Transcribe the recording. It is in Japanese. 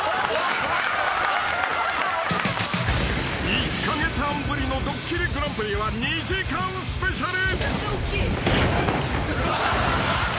［１カ月半ぶりの『ドッキリＧＰ』は２時間スペシャル］